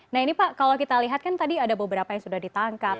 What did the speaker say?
nah ini pak kalau kita lihat kan tadi ada beberapa yang sudah ditangkap